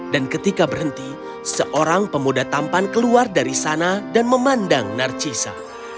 dan ketika berhenti seorang pemuda tampan keluar dari sana dan memandang narcisa